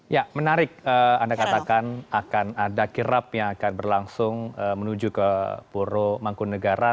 ya menarik anda katakan akan ada kirap yang akan berlangsung menuju ke puro mangkunegara